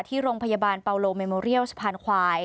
ที่โรงพยาบาลเปาโลเมโมเรียลสะพานควาย